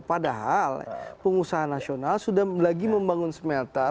padahal pengusaha nasional sudah lagi membangun smelter